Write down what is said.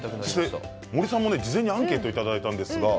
森さんも事前にアンケートをいただきました。